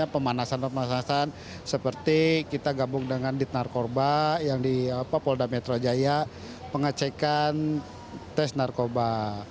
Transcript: pemanasan pemanasan seperti kita gabung dengan dit narkoba yang di polda metro jaya pengecekan tes narkoba